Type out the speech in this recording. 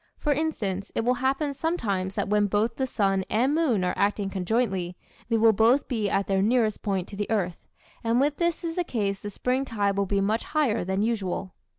For instance, it will happen sometimes that when both the sun and moon are acting conjointly they will both be at their nearest point to the earth, and when this is the case the spring tide will be much higher than usual.